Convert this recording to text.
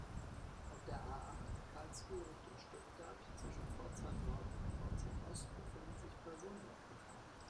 Auf der A-acht, Karlsruhe Richtung Stuttgart, zwischen Pforzheim-Nord und Pforzheim-Ost befinden sich Personen auf der Fahrbahn.